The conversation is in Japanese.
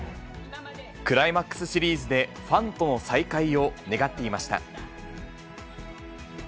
クライマックスシリーズでファンとの再会を願っていました。